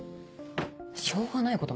しょうがないこともあんの。